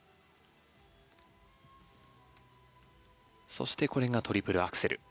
そしてこれがトリプルアクセル。